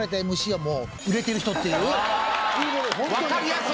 わかりやすい！